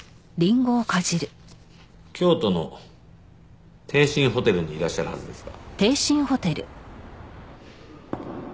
京都の帝進ホテルにいらっしゃるはずですが。